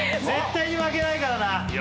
絶対に負けないからな。